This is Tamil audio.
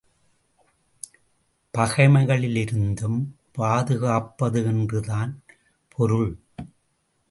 பகைமைகளிலிருந்தும் பாதுகாப்பது என்றுதான் பொருள்.